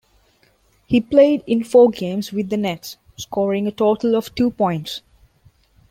He played in four games with the Nets, scoring a total of two points.